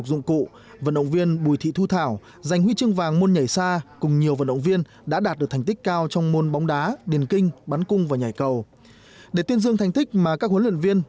các vận động viên hà nội đã đạt thành tích xuất sắc tại sea games hai mươi chín